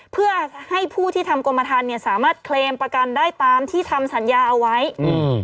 เพื่อให้ผู้ที่ทำกรมฐานเนี้ยสามารถเคลมประกันได้ตามที่ทำสัญญาเอาไว้อืม